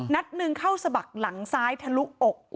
นัดหนึ่งเข้าสะบักหลังซ้ายทะลุอก